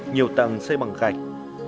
nhiều tầng xây bằng gạch